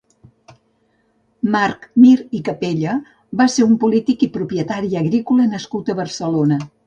Marc Mir i Capella va ser un polític i propietari agrícola nascut a Barcelona.